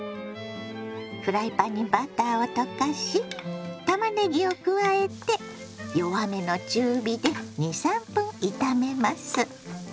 フライパンにバターを溶かしたまねぎを加えて弱めの中火で２３分炒めます。